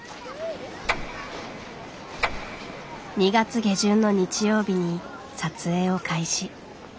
２月下旬の日曜日に撮影を開始。